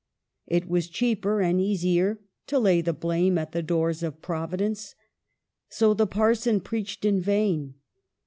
It was cheaper and easier to lay the blame at the doors of Providence. So the par son preached in vain.